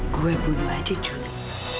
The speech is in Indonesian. gue bunuh aja juli